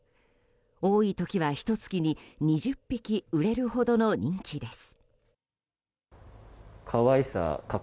多い時は、ひと月に２０匹売れるほどの人気です。